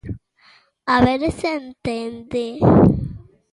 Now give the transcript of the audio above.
¡A ver se entende!